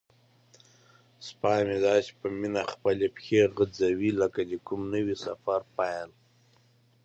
سپی مې داسې په مینه خپلې پښې غځوي لکه د کوم نوي سفر پیل.